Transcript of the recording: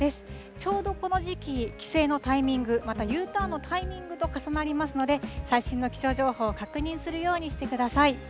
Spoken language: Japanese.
ちょうどこの時期、帰省のタイミング、またＵターンのタイミングと重なりますので、最新の気象情報を確認するようにしてください。